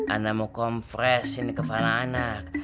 anda mau compress ini kepala anak